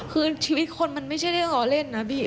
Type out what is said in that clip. คือชีวิตคนมันไม่ใช่เรื่องล้อเล่นนะพี่